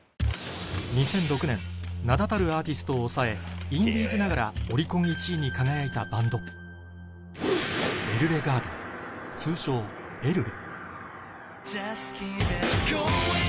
２００６年名だたるアーティストを抑えインディーズながらオリコン１位に輝いたバンド通称「エルレ」Ｊｕｓｔｋｅｅｐｉｔｇｏｉｎ